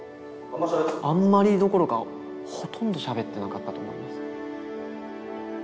あんまりどころかほとんどしゃべってなかったと思います。